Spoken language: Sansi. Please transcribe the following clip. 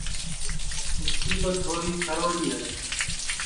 جھاپڑِیا چھوری تو کھروڑی ہے